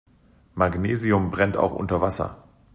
Magnesium brennt auch unter Wasser.